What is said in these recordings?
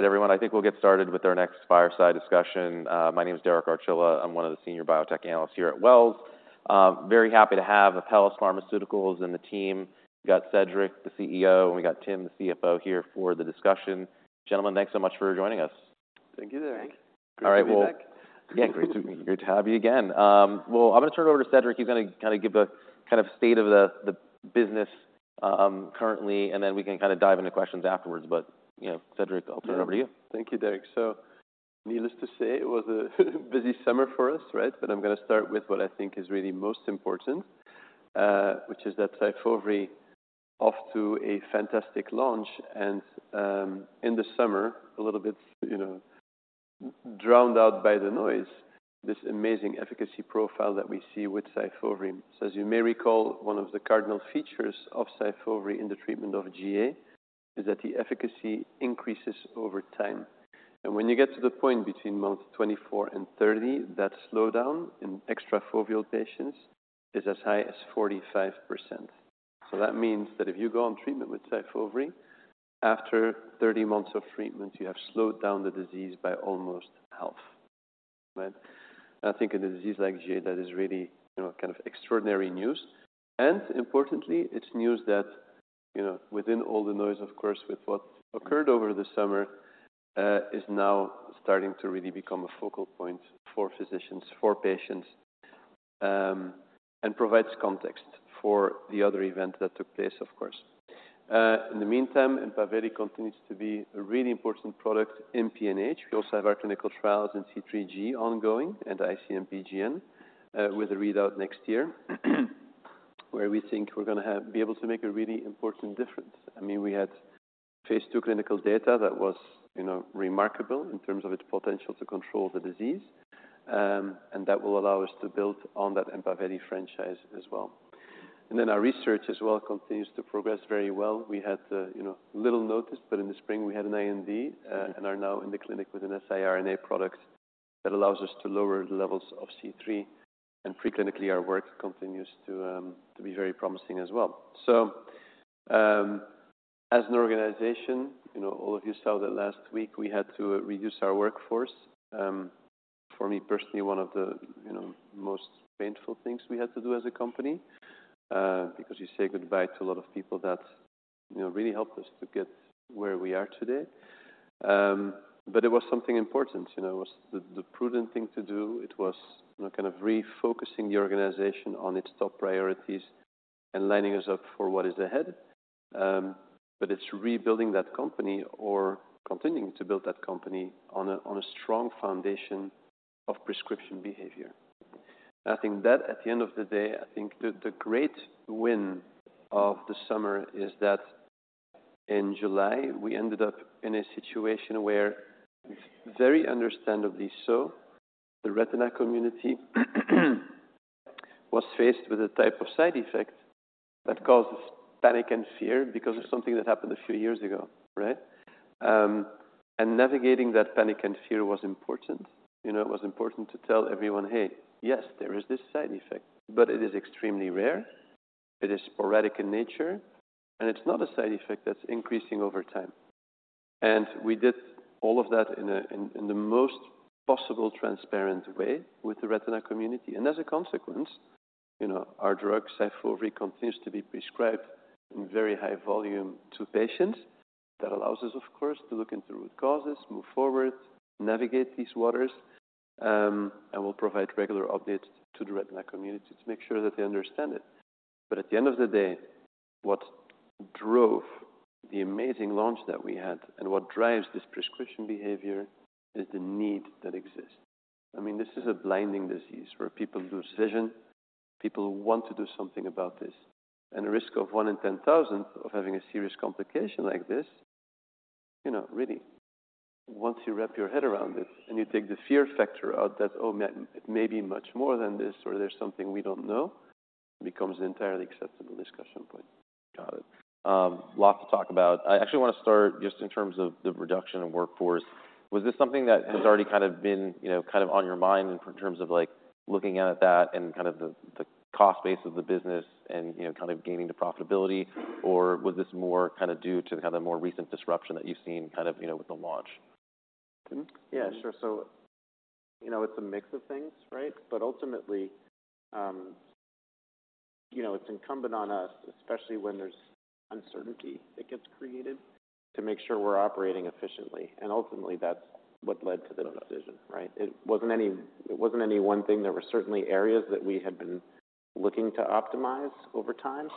All right, everyone, I think we'll get started with our next fireside discussion. My name is Derek Archila. I'm one of the senior biotech analysts here at Wells. Very happy to have Apellis Pharmaceuticals and the team. We've got Cedric, the CEO, and we've got Tim, the CFO, here for the discussion. Gentlemen, thanks so much for joining us. Thank you, Derek. Thanks. All right, well- Great to be back. Yeah, great to have you again. Well, I'm gonna turn it over to Cedric. He's gonna kinda give a kind of state of the business currently, and then we can kinda dive into questions afterwards. But, you know, Cedric, I'll turn it over to you. Thank you, Derek. So needless to say, it was a busy summer for us, right? But I'm gonna start with what I think is really most important, which is that SYFOVRE off to a fantastic launch. And, in the summer, a little bit, you know, drowned out by the noise, this amazing efficacy profile that we see with SYFOVRE. So as you may recall, one of the cardinal features of SYFOVRE in the treatment of GA is that the efficacy increases over time, and when you get to the point between month 24 and 30, that slowdown in extrafoveal patients is as high as 45%. So that means that if you go on treatment with SYFOVRE, after 30 months of treatment, you have slowed down the disease by almost half. Right? I think in a disease like GA, that is really, you know, kind of extraordinary news, and importantly, it's news that, you know, within all the noise, of course, with what occurred over the summer, is now starting to really become a focal point for physicians, for patients, and provides context for the other event that took place, of course. In the meantime, EMPAVELI continues to be a really important product in PNH. We also have our clinical trials in C3G ongoing and IC-MPGN, with a readout next year, where we think we're gonna have be able to make a really important difference. I mean, we had phase 2 clinical data that was, you know, remarkable in terms of its potential to control the disease, and that will allow us to build on that EMPAVELI franchise as well. And then our research as well continues to progress very well. We had, you know, little notice, but in the spring, we had an IND, and are now in the clinic with an siRNA product that allows us to lower the levels of C3, and preclinically, our work continues to be very promising as well. So, as an organization, you know, all of you saw that last week we had to reduce our workforce. For me personally, one of the, you know, most painful things we had to do as a company, because you say goodbye to a lot of people that, you know, really helped us to get where we are today. But it was something important, you know? It was the prudent thing to do. It was, you know, kind of refocusing the organization on its top priorities and lining us up for what is ahead. But it's rebuilding that company or continuing to build that company on a strong foundation of prescription behavior. I think that at the end of the day, I think the great win of the summer is that in July, we ended up in a situation where, very understandably so, the retina community was faced with a type of side effect that causes panic and fear because of something that happened a few years ago, right? And navigating that panic and fear was important. You know, it was important to tell everyone, "Hey, yes, there is this side effect, but it is extremely rare, it is sporadic in nature, and it's not a side effect that's increasing over time." And we did all of that in the most possible transparent way with the retina community. And as a consequence, you know, our drug, SYFOVRE, continues to be prescribed in very high volume to patients. That allows us, of course, to look into root causes, move forward, navigate these waters, and we'll provide regular updates to the retina community to make sure that they understand it. But at the end of the day, what drove the amazing launch that we had and what drives this prescription behavior is the need that exists. I mean, this is a blinding disease where people lose vision. People want to do something about this, and the risk of 1 in 10,000 of having a serious complication like this, you know, really, once you wrap your head around it and you take the fear factor out, that, "Oh, it may be much more than this," or, "There's something we don't know," becomes an entirely acceptable discussion point. Got it. Lot to talk about. I actually wanna start just in terms of the reduction in workforce. Was this something that had already kind of been, you know, kind of on your mind in terms of, like, looking at that and kind of the, the cost base of the business and, you know, kind of gaining the profitability? Or was this more kind of due to kind of the more recent disruption that you've seen kind of, you know, with the launch? Hmm? Yeah, sure. So, you know, it's a mix of things, right? But ultimately, you know, it's incumbent on us, especially when there's uncertainty that gets created, to make sure we're operating efficiently, and ultimately, that's what led to the decision, right? It wasn't any one thing. There were certainly areas that we had been looking to optimize over time.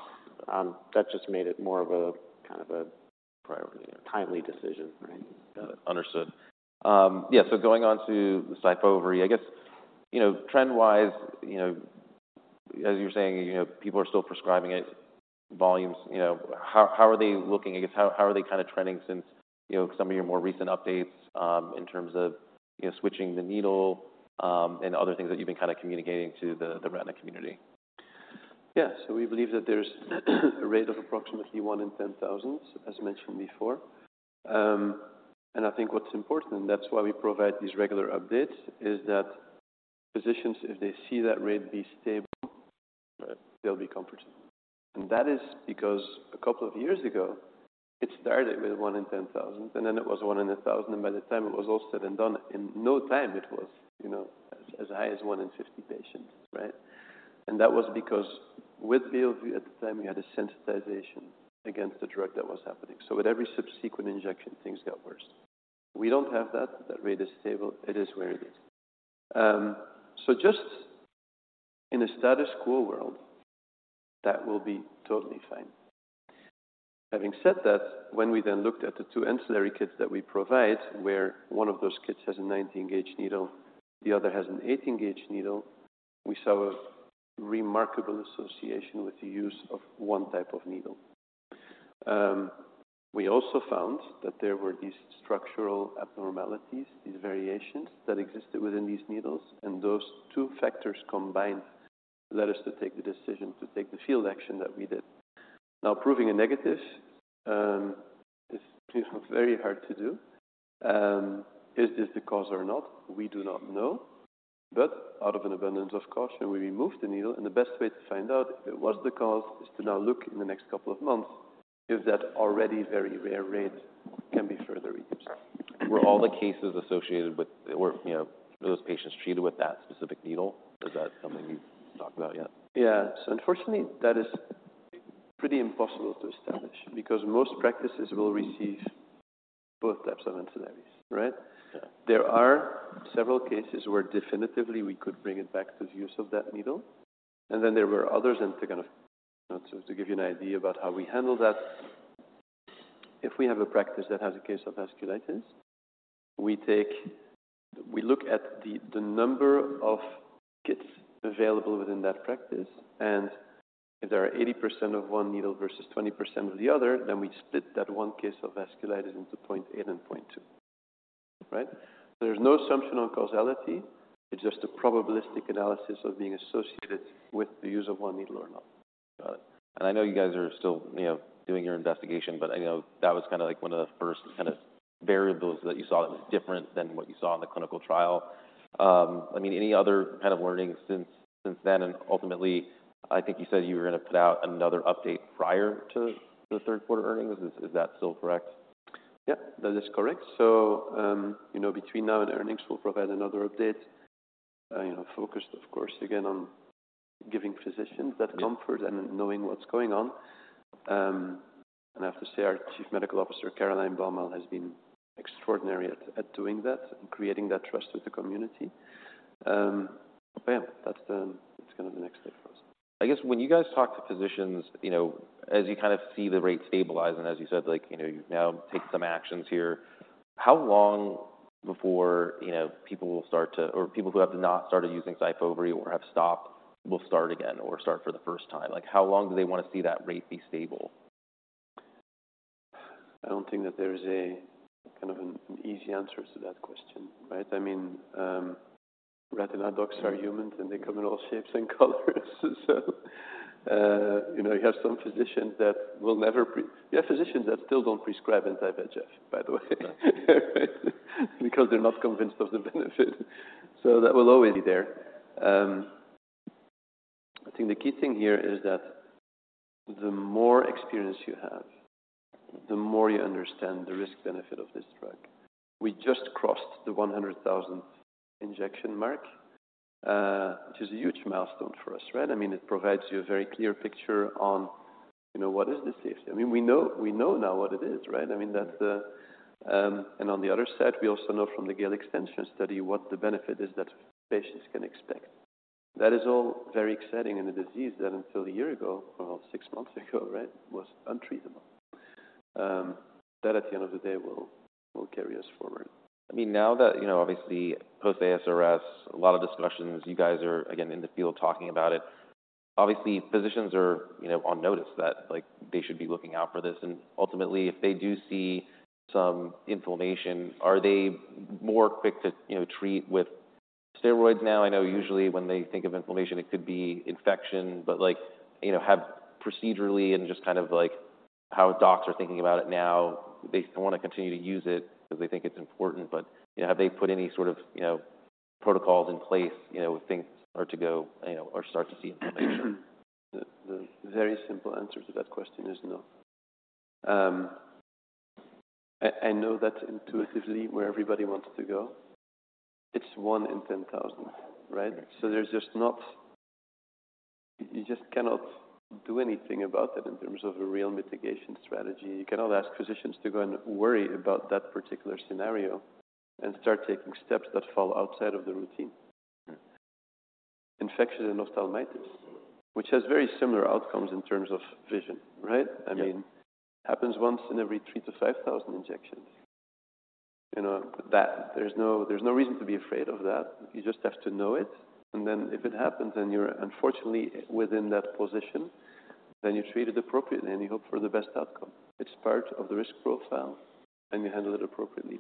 That just made it more of a kind of a priority, a timely decision, right? Got it. Understood. Yeah, so going on to SYFOVRE, I guess, you know, trend-wise, you know, as you were saying, you know, people are still prescribing it, volumes... You know, how are they looking? I guess, how are they kinda trending since, you know, some of your more recent updates, in terms of, you know, switching the needle, and other things that you've been kinda communicating to the retina community? Yeah. So we believe that there's a rate of approximately 1 in 10,000, as mentioned before. And I think what's important, and that's why we provide these regular updates, is that physicians, if they see that rate be stable, they'll be comforting. And that is because a couple of years ago, it started with 1 in 10,000, and then it was 1 in 1,000, and by the time it was all said and done, in no time, it was, you know, as, as high as 1 in 50 patients, right? And that was because with Beovu, at the time, you had a sensitization against the drug that was happening. So with every subsequent injection, things got worse. We don't have that. That rate is stable. It is where it is. So just in a status quo world, that will be totally fine. Having said that, when we then looked at the two ancillary kits that we provide, where one of those kits has a 19-gauge needle, the other has an 18-gauge needle, we saw a remarkable association with the use of one type of needle. We also found that there were these structural abnormalities, these variations that existed within these needles, and those two factors combined led us to take the decision to take the field action that we did. Now, proving a negative is very hard to do. Is this the cause or not? We do not know, but out of an abundance of caution, we removed the needle, and the best way to find out if it was the cause is to now look in the next couple of months if that already very rare rate can be further reduced. Were all the cases associated with or, you know, were those patients treated with that specific needle? Is that something you've talked about yet? Yeah. Unfortunately, that is pretty impossible to establish because most practices will receive both types of ancillaries, right? Yeah. There are several cases where definitively we could bring it back to the use of that needle, and then there were others, and to kind of so to give you an idea about how we handle that, if we have a practice that has a case of vasculitis, we take we look at the, the number of kits available within that practice, and if there are 80% of one needle versus 20% of the other, then we split that one case of vasculitis into 0.8 and 0.2. Right? There's no assumption on causality. It's just a probabilistic analysis of being associated with the use of one needle or not. Got it. I know you guys are still, you know, doing your investigation, but I know that was kind of like one of the first kind of variables that you saw that was different than what you saw in the clinical trial. I mean, any other kind of learnings since, since then, and ultimately, I think you said you were going to put out another update prior to the third quarter earnings. Is, is that still correct? Yep, that is correct. So, you know, between now and earnings, we'll provide another update, you know, focused, of course, again, on giving physicians- Yeah. that comfort and knowing what's going on. And I have to say, our Chief Medical Officer, Caroline Baumal, has been extraordinary at doing that and creating that trust with the community. But yeah, that's kind of the next step for us. I guess when you guys talk to physicians, you know, as you kind of see the rate stabilize, and as you said, like, you know, you've now taken some actions here, how long before, you know, people will start to... or people who have not started using SYFOVRE or have stopped, will start again or start for the first time? Like, how long do they want to see that rate be stable? I don't think that there is a kind of an easy answer to that question, right? I mean, retina docs are humans, and they come in all shapes and colors. So, you know, you have some physicians that will never, you have physicians that still don't prescribe anti-VEGF, by the way. Yeah. Because they're not convinced of the benefit, so that will always be there. I think the key thing here is that the more experience you have, the more you understand the risk-benefit of this drug. We just crossed the 100,000 injection mark, which is a huge milestone for us, right? I mean, it provides you a very clear picture on, you know, what is the safety? I mean, we know, we know now what it is, right? I mean, that's the... And on the other side, we also know from the GALE extension study what the benefit is that patients can expect. That is all very exciting in a disease that until a year ago, or six months ago, right, was untreatable. That, at the end of the day, will, will carry us forward. I mean, now that, you know, obviously post ASRS, a lot of discussions, you guys are again in the field talking about it. Obviously, physicians are, you know, on notice that, like, they should be looking out for this, and ultimately, if they do see some inflammation, are they more quick to, you know, treat with steroids now? I know usually when they think of inflammation, it could be infection, but like, you know, have procedurally and just kind of like how docs are thinking about it now, they want to continue to use it because they think it's important. But, you know, have they put any sort of, you know, protocols in place, you know, if things are to go, you know, or start to see inflammation? The very simple answer to that question is no. I know that's intuitively where everybody wants to go. It's 1 in 10,000, right? Right. You just cannot do anything about that in terms of a real mitigation strategy. You cannot ask physicians to go and worry about that particular scenario and start taking steps that fall outside of the routine. Hmm. Infection and endophthalmitis, which has very similar outcomes in terms of vision, right? Yeah. I mean, it happens once in every 3-5,000 injections. You know, that—there's no, there's no reason to be afraid of that. You just have to know it, and then if it happens, and you're unfortunately within that position, then you treat it appropriately, and you hope for the best outcome. It's part of the risk profile, and you handle it appropriately.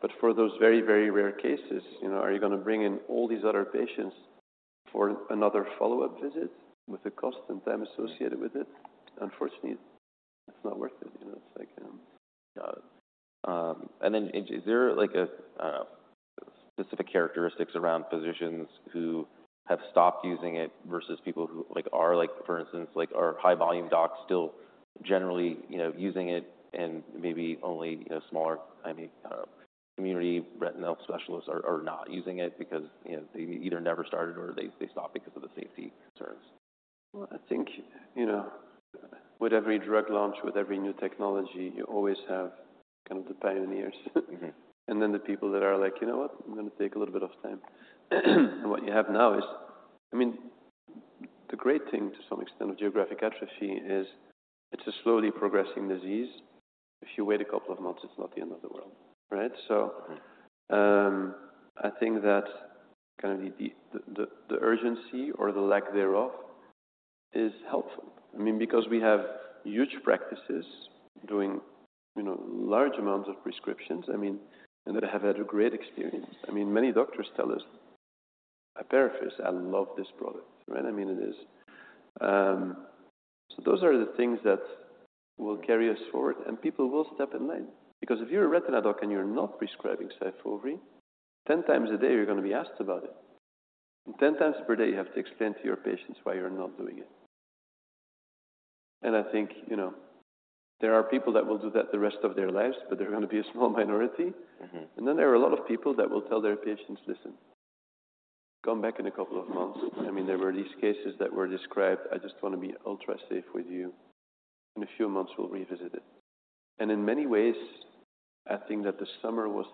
But for those very, very rare cases, you know, are you going to bring in all these other patients for another follow-up visit with the cost and time associated with it? Unfortunately, it's not worth it. You know, it's like, Got it. And then is there like a specific characteristics around physicians who have stopped using it versus people who, like, are, like, for instance, like, are high-volume docs still generally, you know, using it and maybe only, you know, smaller, I mean, community retinal specialists are not using it because, you know, they either never started or they stopped because of the safety concerns? Well, I think, you know, with every drug launch, with every new technology, you always have kind of the pioneers. Mm-hmm. And then the people that are like: "You know what? I'm going to take a little bit of time." And what you have now is, I mean, the great thing, to some extent, of Geographic Atrophy is it's a slowly progressing disease. If you wait a couple of months, it's not the end of the world, right? So- Mm-hmm. I think that kind of the urgency or the lack thereof is helpful. I mean, because we have huge practices doing, you know, large amounts of prescriptions, I mean, and that have had a great experience. I mean, many doctors tell us, "I prefer SYFOVRE, I love this product." Right? I mean, it is... So those are the things that will carry us forward, and people will step in line. Because if you're a retina doc and you're not prescribing SYFOVRE, 10 times a day, you're going to be asked about it. And 10 times per day, you have to explain to your patients why you're not doing it. And I think, you know, there are people that will do that the rest of their lives, but they're going to be a small minority. Mm-hmm. And then there are a lot of people that will tell their patients: "Listen, come back in a couple of months. I mean, there were these cases that were described. I just want to be ultra-safe with you. In a few months, we'll revisit it." And in many ways, I think that the summer was,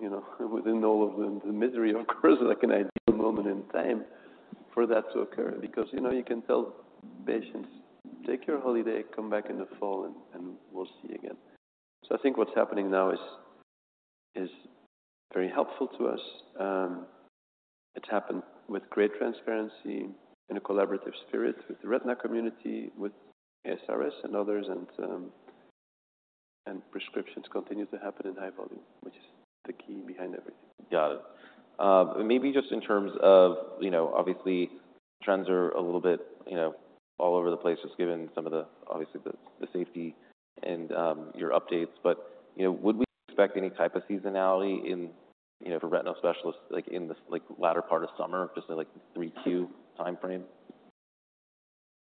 you know, within all of the misery, of course, like an ideal moment in time for that to occur. Because, you know, you can tell patients, "Take your holiday, come back in the fall, and we'll see again." So I think what's happening now is very helpful to us. It's happened with great transparency and a collaborative spirit with the retina community, with ASRS and others, and prescriptions continue to happen in high volume, which is the key behind everything. Got it. Maybe just in terms of, you know, obviously, trends are a little bit, you know, all over the place, just given some of the, obviously, the safety and your updates. But, you know, would we expect any type of seasonality in, you know, for retinal specialists, like, in this, like, latter part of summer, just in, like, the 3Q timeframe?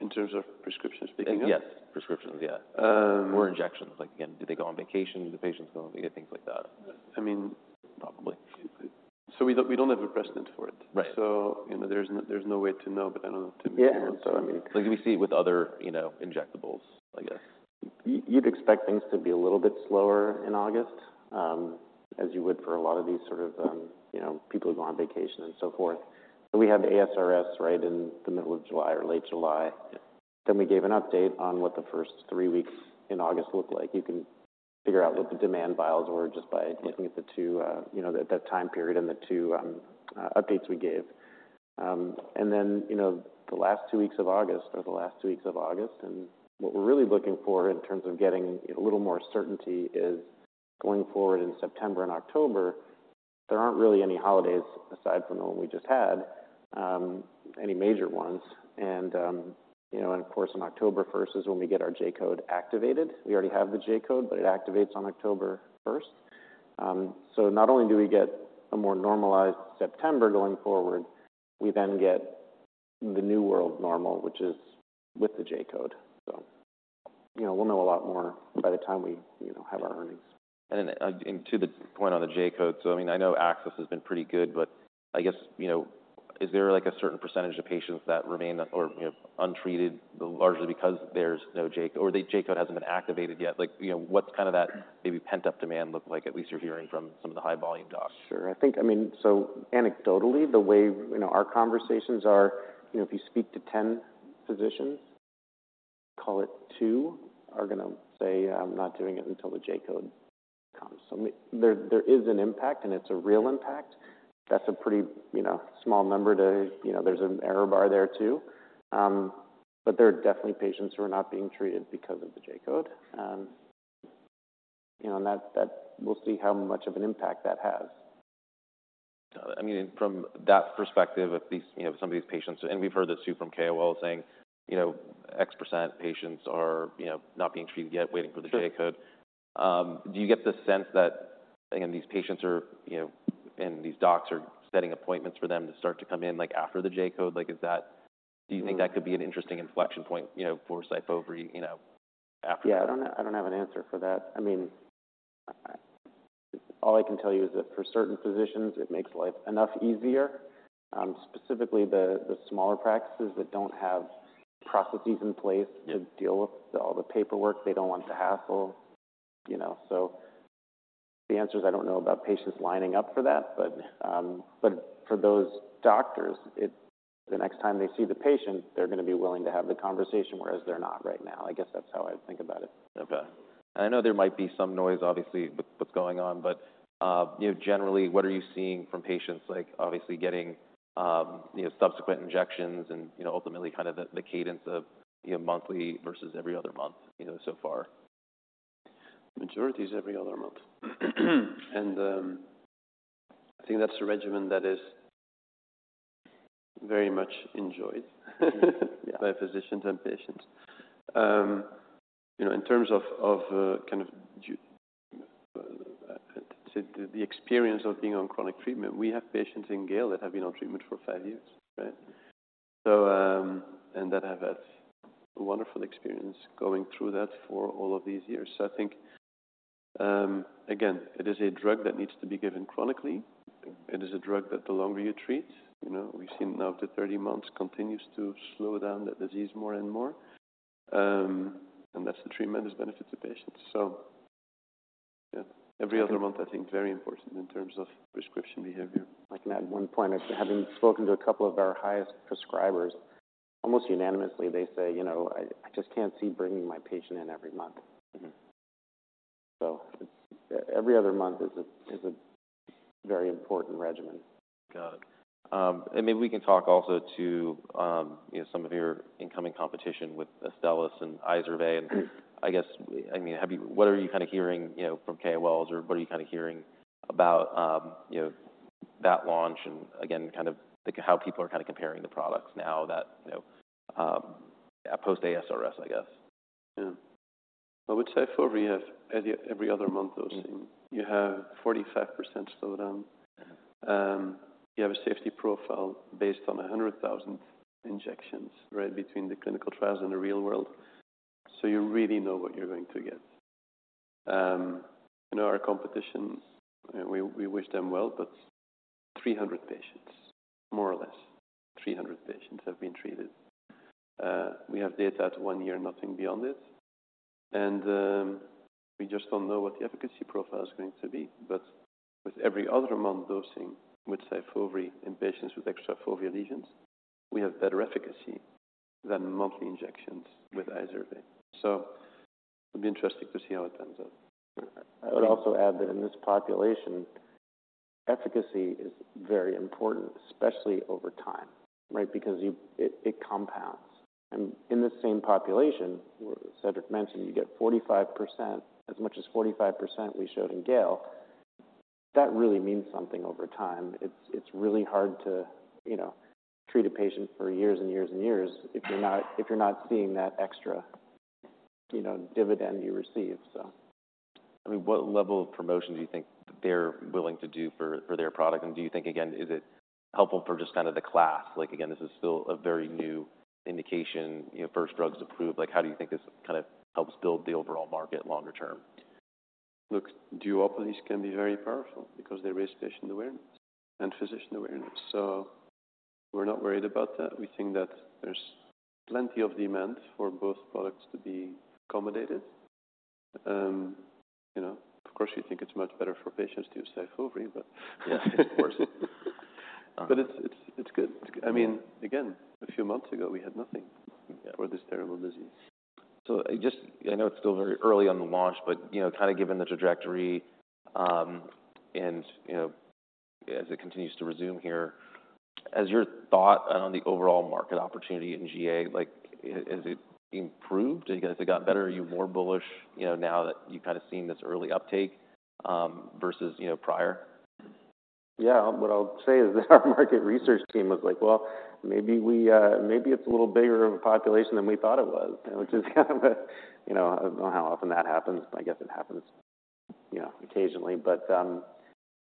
In terms of prescriptions picking up? Yes, prescriptions, yeah. Um- Or injections. Like, again, do they go on vacation? Do the patients go, and things like that. I mean- Probably. So we don't have a precedent for it. Right. So, you know, there's no way to know, but I don't know to- Yeah. I mean- Like, do we see it with other, you know, injectables, I guess? You'd expect things to be a little bit slower in August, as you would for a lot of these sort of, you know, people who go on vacation and so forth. So we had the ASRS right in the middle of July or late July. Yeah. Then we gave an update on what the first three weeks in August looked like. You can figure out what the demand vials were just by- Mm-hmm... looking at the 2, you know, that time period and the 2, updates we gave. And then, you know, the last 2 weeks of August are the last 2 weeks of August, and what we're really looking for in terms of getting a little more certainty is going forward in September and October, there aren't really any holidays aside from the one we just had, any major ones. And, you know, and of course, on October first is when we get our J-code activated. We already have the J-code, but it activates on October first. So not only do we get a more normalized September going forward, we then get the new world normal, which is with the J-code. So, you know, we'll know a lot more by the time we, you know, have our earnings. To the point on the J-code, so, I mean, I know access has been pretty good, but I guess, you know, is there, like, a certain percentage of patients that remain or, you know, untreated largely because there's no J-code or the J-code hasn't been activated yet? Like, you know, what's kind of that maybe pent-up demand look like, at least you're hearing from some of the high-volume docs? Sure. I think, I mean, so anecdotally, the way, you know, our conversations are, you know, if you speak to 10 physicians, call it two are going to say, "I'm not doing it until the J-code comes." So there, there is an impact, and it's a real impact. That's a pretty, you know, small number to... You know, there's an error bar there, too. But there are definitely patients who are not being treated because of the J-code. You know, and that's, that we'll see how much of an impact that has. I mean, from that perspective of these, you know, some of these patients, and we've heard this, too, from KOL, saying, you know, X% patients are, you know, not being treated yet, waiting for the J-code. Sure. Do you get the sense that, again, these patients are, you know, and these docs are setting appointments for them to start to come in, like, after the J-code? Like, is that- Mm-hmm. Do you think that could be an interesting inflection point, you know, for SYFOVRE, you know, after? Yeah, I don't have an answer for that. I mean, all I can tell you is that for certain physicians, it makes life enough easier, specifically the smaller practices that don't have processes in place- Yeah... to deal with all the paperwork. They don't want the hassle, you know? So the answer is, I don't know about patients lining up for that, but for those doctors, the next time they see the patient, they're going to be willing to have the conversation, whereas they're not right now. I guess that's how I'd think about it. Okay. I know there might be some noise, obviously, with what's going on, but, you know, generally, what are you seeing from patients, like, obviously getting, you know, subsequent injections and, you know, ultimately, kind of the, the cadence of, you know, monthly versus every other month, you know, so far? Majority is every other month. I think that's the regimen that is very much enjoyed by physicians and patients. You know, in terms of the experience of being on chronic treatment, we have patients in GALE that have been on treatment for five years, right? So, and that have had a wonderful experience going through that for all of these years. So I think, again, it is a drug that needs to be given chronically. It is a drug that the longer you treat, you know, we've seen now up to 30 months, continues to slow down the disease more and more. And that's the treatment that benefits the patients. So yeah, every other month, I think, very important in terms of prescription behavior. I can add one point. Having spoken to a couple of our highest prescribers, almost unanimously, they say: "You know, I, I just can't see bringing my patient in every month. Mm-hmm. So it's every other month is a very important regimen. Got it. And maybe we can talk also to, you know, some of your incoming competition with Astellas and IZERVAY. And I guess, I mean, have you—what are you kind of hearing, you know, from KOLs, or what are you kind of hearing about, you know, that launch and again, kind of like how people are kind of comparing the products now that, you know, post ASRS, I guess? Yeah. I would say for we have every other month dosing- Mm. you have 45% slowdown. Mm-hmm. You have a safety profile based on 100,000 injections, right? Between the clinical trials and the real world. So you really know what you're going to get. I know our competition, and we wish them well, but 300 patients, more or less, 300 patients have been treated. We have data at 1 year, nothing beyond it, and we just don't know what the efficacy profile is going to be. But with every other month dosing with SYFOVRE in patients with extrafoveal lesions, we have better efficacy than monthly injections with IZERVAY. So it'll be interesting to see how it ends up. I would also add that in this population, efficacy is very important, especially over time, right? Because it compounds. And in this same population, Cedric mentioned, you get 45%, as much as 45%, we showed in GALE. That really means something over time. It's really hard to, you know, treat a patient for years and years and years if you're not seeing that extra, you know, dividend you receive, so. I mean, what level of promotion do you think they're willing to do for, for their product? And do you think, again, is it helpful for just kind of the class? Like, again, this is still a very new indication, you know, first drugs approved. Like, how do you think this kind of helps build the overall market longer term? Look, duopolies can be very powerful because they raise patient awareness and physician awareness, so we're not worried about that. We think that there's plenty of demand for both products to be accommodated. You know, of course, we think it's much better for patients to use SYFOVRE, but - Yeah, of course. But it's good. I mean, again, a few months ago, we had nothing- Yeah for this terrible disease. I know it's still very early on the launch, but, you know, kind of given the trajectory, and, you know, as it continues to resume here, has your thought on the overall market opportunity in GA, like, has it improved? Has it gotten better? Are you more bullish, you know, now that you've kind of seen this early uptake, versus, you know, prior? Yeah. What I'll say is our market research team was like: Well, maybe we, maybe it's a little bigger of a population than we thought it was. Which is kind of a, you know, I don't know how often that happens. I guess it happens, you know, occasionally. But,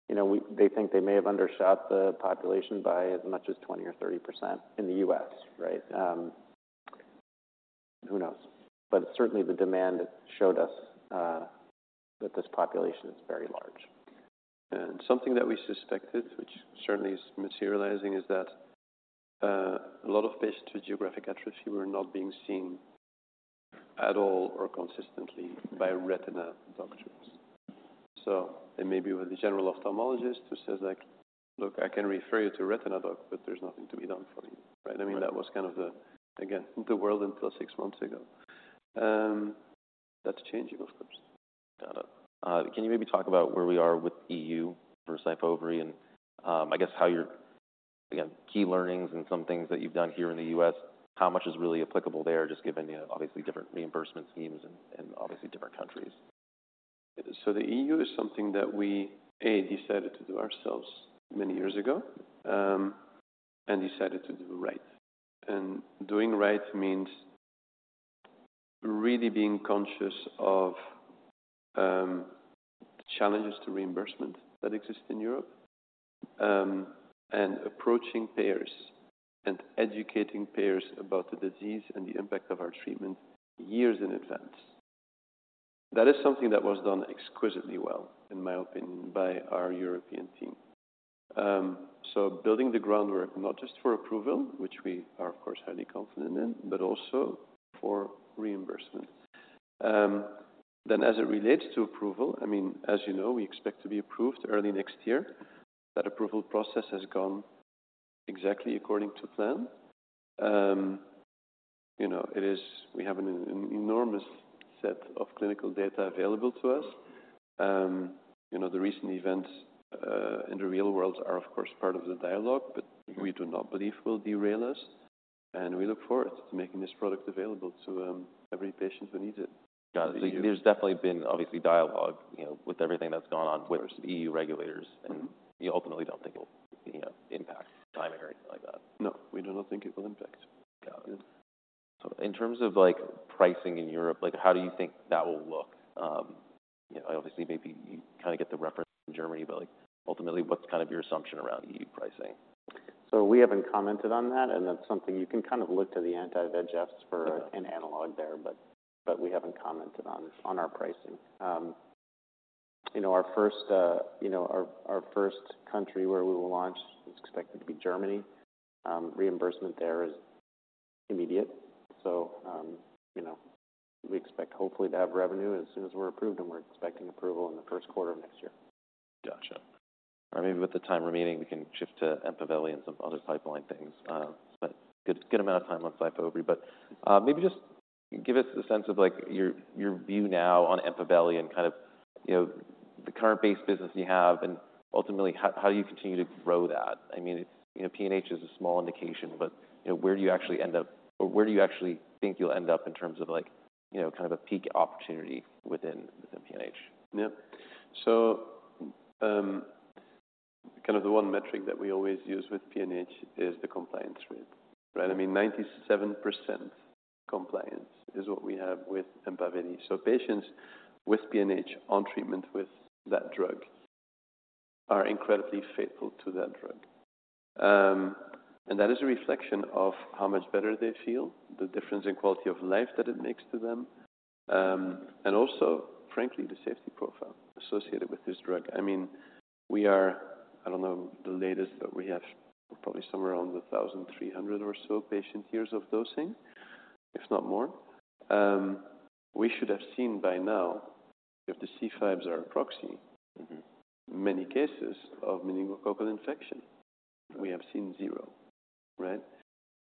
you know, we, they think they may have undershot the population by as much as 20 or 30% in the U.S., right? Who knows? But certainly the demand showed us that this population is very large. Something that we suspected, which certainly is materializing, is that a lot of patients with geographic atrophy were not being seen at all or consistently by retina doctors. They may be with a general ophthalmologist who says, like: "Look, I can refer you to a retina doctor, but there's nothing to be done for you," right? Right. I mean, that was kind of the, again, the world until six months ago. That's changing, of course. Got it. Can you maybe talk about where we are with EU for SYFOVRE? And, I guess, how your, again, key learnings and some things that you've done here in the US, how much is really applicable there, just given the obviously different reimbursement schemes and obviously different countries? So the EU is something that we decided to do ourselves many years ago, and decided to do right. And doing right means really being conscious of challenges to reimbursement that exist in Europe, and approaching payers and educating payers about the disease and the impact of our treatment years in advance. That is something that was done exquisitely well, in my opinion, by our European team. So building the groundwork, not just for approval, which we are, of course, highly confident in, but also for reimbursement. Then, as it relates to approval, I mean, as you know, we expect to be approved early next year. That approval process has gone exactly according to plan. You know, it is. We have an enormous set of clinical data available to us. You know, the recent events in the real world are, of course, part of the dialogue- Mm-hmm. but we do not believe will derail us... and we look forward to making this product available to every patient who needs it. Got it. There's definitely been obviously dialogue, you know, with everything that's gone on with EU regulators- Mm-hmm. you ultimately don't think it'll, you know, impact timing or anything like that? No, we do not think it will impact. Got it. So in terms of, like, pricing in Europe, like, how do you think that will look? You know, obviously, maybe you kind of get the reference from Germany, but, like, ultimately, what's kind of your assumption around EU pricing? We haven't commented on that, and that's something you can kind of look to the anti-VEGFs for. Okay... an analog there, but we haven't commented on our pricing. You know, our first country where we will launch is expected to be Germany. Reimbursement there is immediate, so you know, we expect hopefully to have revenue as soon as we're approved, and we're expecting approval in the first quarter of next year. Gotcha. Or maybe with the time remaining, we can shift to EMPAVELI and some other pipeline things. Spent a good, good amount of time on SYFOVRE, but, maybe just give us a sense of, like, your, your view now on EMPAVELI and kind of, you know, the current base business you have and ultimately, how, how you continue to grow that. I mean, you know, PNH is a small indication, but, you know, where do you actually end up... or where do you actually think you'll end up in terms of like, you know, kind of a peak opportunity within, within PNH? Yeah. So, kind of the one metric that we always use with PNH is the compliance rate, right? I mean, 97% compliance is what we have with EMPAVELI. So patients with PNH on treatment with that drug are incredibly faithful to that drug. And that is a reflection of how much better they feel, the difference in quality of life that it makes to them, and also, frankly, the safety profile associated with this drug. I mean, we are, I don't know, the latest that we have, probably somewhere around 1,300 or so patient years of dosing, if not more. We should have seen by now, if the C5s are a proxy- Mm-hmm... many cases of meningococcal infection. We have seen zero, right?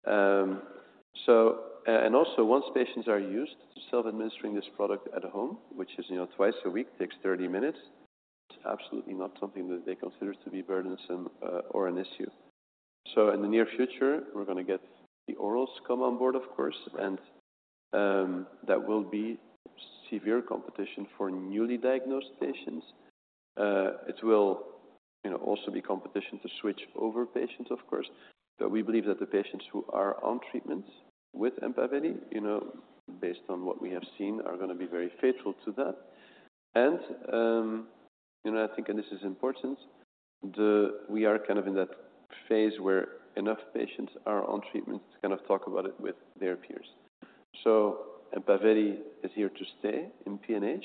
So and also, once patients are used to self-administering this product at home, which is, you know, twice a week, takes 30 minutes, it's absolutely not something that they consider to be burdensome or an issue. So in the near future, we're gonna get the orals come on board, of course- Right... and that will be severe competition for newly diagnosed patients. It will, you know, also be competition to switch over patients, of course, but we believe that the patients who are on treatment with EMPAVELI, you know, based on what we have seen, are gonna be very faithful to that. And, you know, I think, and this is important, the... We are kind of in that phase where enough patients are on treatment to kind of talk about it with their peers. So EMPAVELI is here to stay in PNH,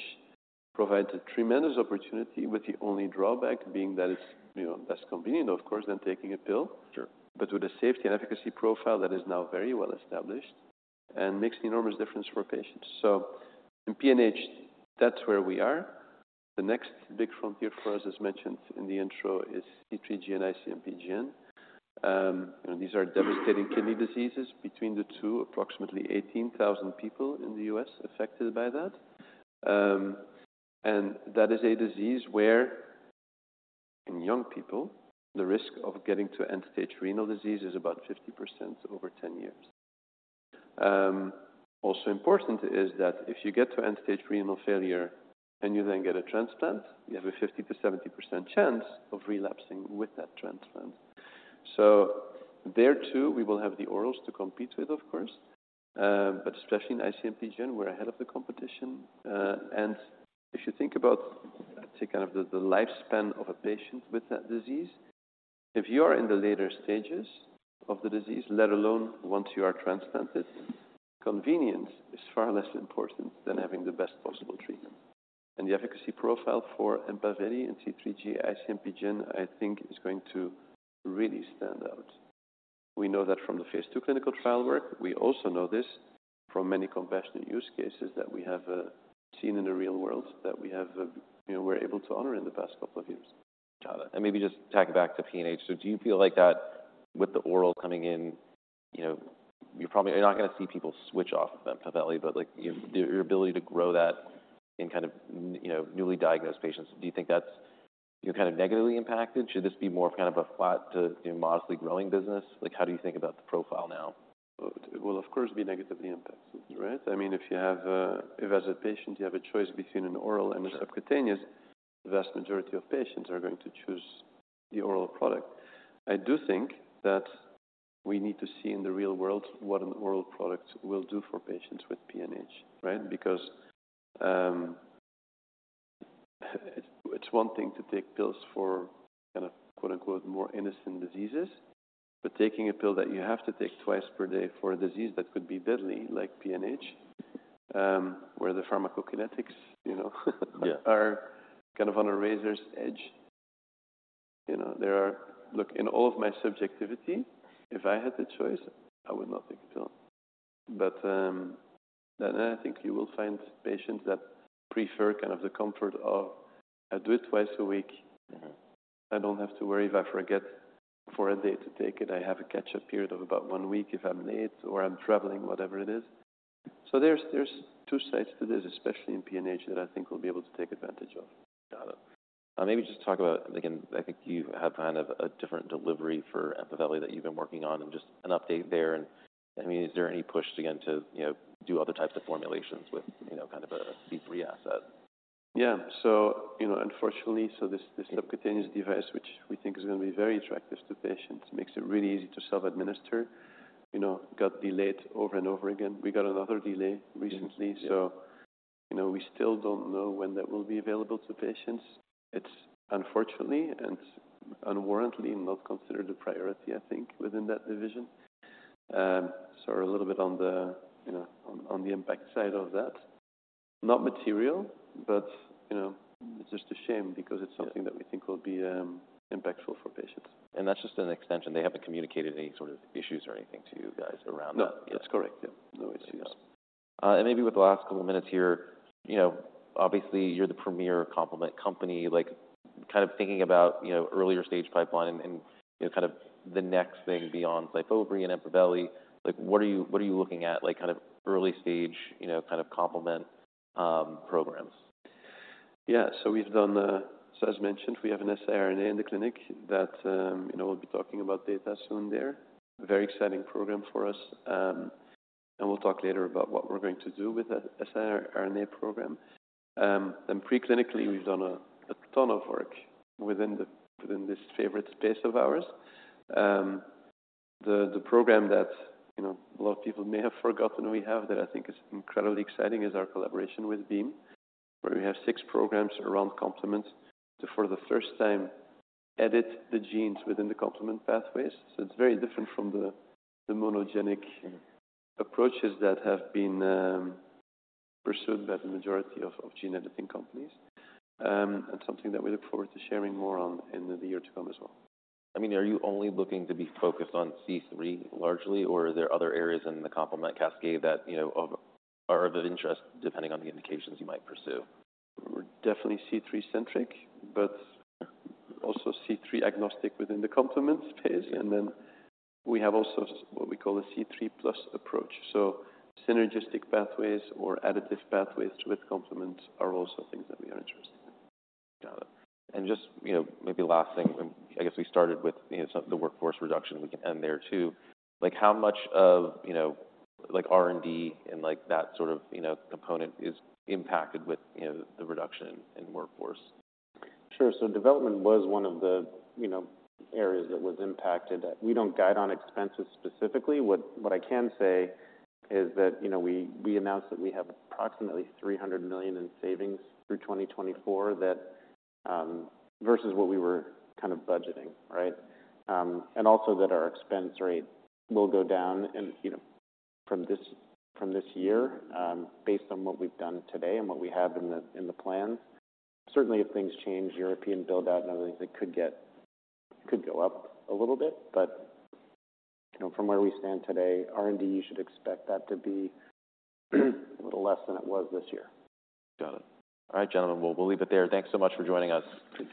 provides a tremendous opportunity, with the only drawback being that it's, you know, less convenient, of course, than taking a pill. Sure. But with a safety and efficacy profile that is now very well established and makes an enormous difference for patients. So in PNH, that's where we are. The next big frontier for us, as mentioned in the intro, is C3G and IC-MPGN. You know, these are devastating kidney diseases. Between the two, approximately 18,000 people in the U.S. affected by that. And that is a disease where, in young people, the risk of getting to end-stage renal disease is about 50% over 10 years. Also important is that if you get to end-stage renal failure and you then get a transplant, you have a 50%-70% chance of relapsing with that transplant. So there, too, we will have the orals to compete with, of course, but especially in IC-MPGN, we're ahead of the competition. And if you think about, say, kind of the, the lifespan of a patient with that disease, if you are in the later stages of the disease, let alone once you are transplanted, convenience is far less important than having the best possible treatment. And the efficacy profile for EMPAVELI and C3G, IC-MPGN, I think, is going to really stand out. We know that from the phase II clinical trial work. We also know this from many compassionate use cases that we have seen in the real world, that we have, you know, we're able to honor in the past couple of years. Got it, and maybe just take it back to PNH. So do you feel like that with the oral coming in, you know, you're probably... You're not gonna see people switch off of EMPAVELI, but, like, your, your ability to grow that in kind of, you know, newly diagnosed patients, do you think that's, you know, kind of negatively impacted? Should this be more of kind of a flat to, you know, modestly growing business? Like, how do you think about the profile now? It will, of course, be negatively impacted, right? I mean, if as a patient, you have a choice between an oral- Sure... and a subcutaneous, the vast majority of patients are going to choose the oral product. I do think that we need to see in the real world what an oral product will do for patients with PNH, right? Because, it's, it's one thing to take pills for kind of quote-unquote, "more innocent diseases," but taking a pill that you have to take twice per day for a disease that could be deadly, like PNH, where the pharmacokinetics, you know, - Yeah... are kind of on a razor's edge. You know, there are... Look, in all of my subjectivity, if I had the choice, I would not take a pill. But, then I think you will find patients that prefer kind of the comfort of, "I do it twice a week. Mm-hmm. I don't have to worry if I forget for a day to take it. I have a catch-up period of about one week if I'm late or I'm traveling," whatever it is. So there's two sides to this, especially in PNH, that I think we'll be able to take advantage of. Got it. Maybe just talk about, again, I think you have kind of a different delivery for EMPAVELI that you've been working on and just an update there. And, I mean, is there any push to, again, to, you know, do other types of formulations with, you know, kind of a C3 asset? Yeah. So, you know, unfortunately, so this subcutaneous device, which we think is going to be very attractive to patients, makes it really easy to self-administer, you know, got delayed over and over again. We got another delay recently. Yeah. So, you know, we still don't know when that will be available to patients. It's unfortunately and unwarrantedly not considered a priority, I think, within that division. So we're a little bit on the, you know, on the impact side of that. Not material, but, you know, it's just a shame because it's- Yeah something that we think will be impactful for patients. That's just an extension. They haven't communicated any sort of issues or anything to you guys around that? No, that's correct. Yeah. No issues. Maybe with the last couple of minutes here, you know, obviously, you're the premier complement company, like, kind of thinking about, you know, earlier stage pipeline and, you know, kind of the next thing beyond SYFOVRE and EMPAVELI. Like, what are you, what are you looking at, like, kind of early stage, you know, kind of complement programs? Yeah. So we've done the... So as mentioned, we have an siRNA in the clinic that, you know, we'll be talking about data soon there. Very exciting program for us, and we'll talk later about what we're going to do with that siRNA program. Then preclinically, we've done a ton of work within the- within this favorite space of ours. The program that, you know, a lot of people may have forgotten we have that I think is incredibly exciting is our collaboration with Beam, where we have 6 programs around complement. So for the first time, edit the genes within the complement pathways, so it's very different from the, the monogenic- Yeah approaches that have been pursued by the majority of gene-editing companies. Something that we look forward to sharing more on in the year to come as well. I mean, are you only looking to be focused on C3 largely, or are there other areas in the complement cascade that you know of, are of interest, depending on the indications you might pursue? We're definitely C3-centric, but also C3 agnostic within the complement space. Yeah. And then we have also what we call a C3+ approach, so synergistic pathways or additive pathways with complements are also things that we are interested in. Got it. And just, you know, maybe last thing, and I guess we started with, you know, some... the workforce reduction. We can end there, too. Like, how much of, you know, like, R&D and, like, that sort of, you know, component is impacted with, you know, the reduction in workforce? Sure. So development was one of the, you know, areas that was impacted. We don't guide on expenses specifically. What I can say is that, you know, we announced that we have approximately $300 million in savings through 2024, that versus what we were kind of budgeting, right? And also that our expense rate will go down and, you know, from this year, based on what we've done today and what we have in the plan. Certainly, if things change, European build-out and other things, it could go up a little bit. But, you know, from where we stand today, R&D, you should expect that to be a little less than it was this year. Got it. All right, gentlemen, well, we'll leave it there. Thanks so much for joining us.